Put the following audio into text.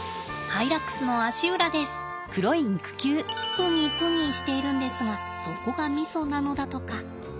プニプニしているんですがそこがミソなのだとか。